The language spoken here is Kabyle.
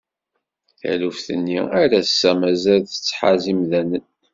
Taluft-nni ar ass-a mazal tettḥaz imdanen.